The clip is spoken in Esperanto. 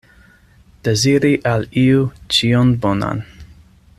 Deziri al iu ĉion bonan.